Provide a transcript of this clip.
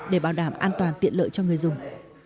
để bảo đảm an toàn tiện lợi cho người dùng